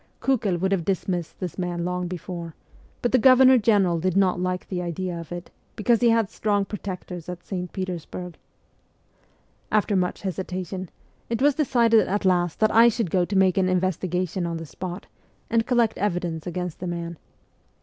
Kukel would have dismissed this man long before, but the Governor General did not like the idea of it, because he had strong protectors at St. Petersburg. After much hesitation, it was decided SIBERIA 201 at last that I should go to make an investigation on the spot, and collect evidence against the man.